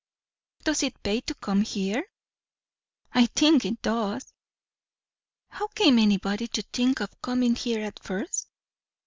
"Does it pay to come here?" "I think it does." "How came anybody to think of coming here at first?